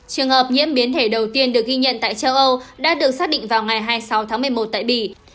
trường hợp nhiễm biến thể đầu tiên được ghi nhận tại châu âu đã được xác định vào ngày hai mươi sáu tháng một mươi một tại bỉ